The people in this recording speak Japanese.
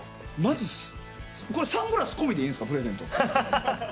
サングラス込みでいいんですかプレゼント。